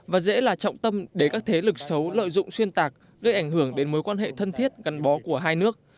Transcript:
và dễ là trọng tâm để các thế lực xấu lợi dụng xuyên tạc gây ảnh hưởng đến mối quan hệ thân thiết gắn bó của hai nước